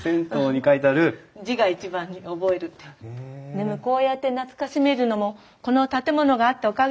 でもこうやって懐かしめるのもこの建物があったおかげですよね。